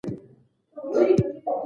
به چورلټ بدل شي.